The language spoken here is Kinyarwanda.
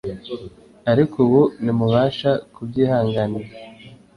ariko ubu ntimubasha kubyihanganira.'"